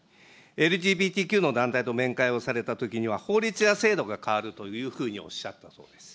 ＬＧＢＴＱの団体と面会をされたときには、法律や制度が変わるというふうにおっしゃったそうです。